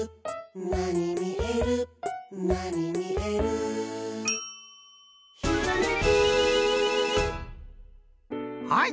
「なにみえるなにみえる」「ひらめき」はい！